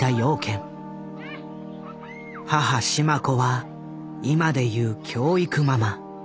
母・志満子は今でいう教育ママ。